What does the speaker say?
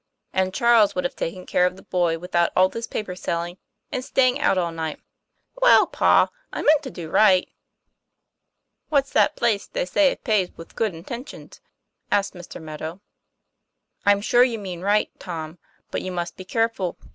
" And Charles would have taken care of the boy without all this paper selling and staying out all night." "Well, pa, I meant to do right." "What's that place they say is paved with good intentions?" asked Mr. Meadow. 'I'm sure you meant right, Tom, but you must be careful.